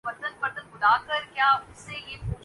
یہ ماضی میں خلافت عباسیہ کا مرکز تھا